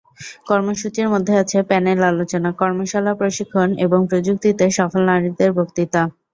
কর্মসূচির মধ্যে আছে প্যানেল আলোচনা, কর্মশালা, প্রশিক্ষণ এবং প্রযুক্তিতে সফল নারীদের বক্তৃতা।